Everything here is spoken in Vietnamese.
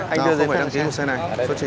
anh nói lại nhé